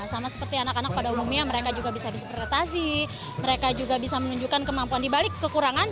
sama seperti anak anak pada umumnya mereka juga bisa beradaptasi mereka juga bisa menunjukkan kemampuan dibalik kekurangan